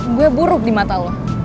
jadi maksud lo gue buruk di mata lo